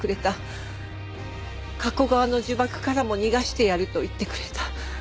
加古川の呪縛からも逃がしてやると言ってくれた。